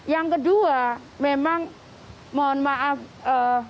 yang kedua memang mohon maaf ada kefanatikan di beberapa